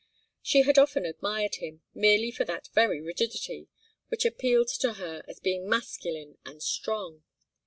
She had often admired him, merely for that very rigidity, which appealed to her as being masculine and strong.